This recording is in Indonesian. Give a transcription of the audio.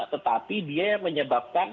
tetapi dia yang menyebabkan